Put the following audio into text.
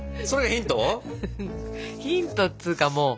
ヒントっつかもう！